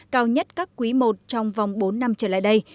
cao nhất các quý i trong vòng bốn năm trở lại đây